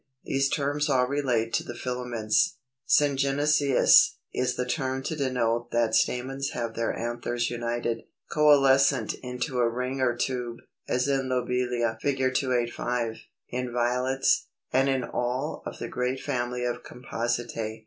These terms all relate to the filaments. Syngenesious is the term to denote that stamens have their anthers united, coalescent into a ring or tube; as in Lobelia (Fig. 285), in Violets, and in all of the great family of Compositæ.